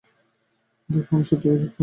দেখ, আমি সত্যিই দুঃখিত!